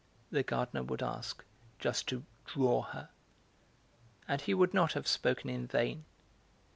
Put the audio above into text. the gardener would ask, just to 'draw' her. And he would not have spoken in vain.